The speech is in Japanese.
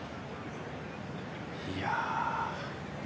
いや。